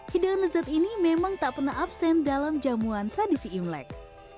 hidangan lezat ini memang tak pernah absen dalam jamuan tradisi imlek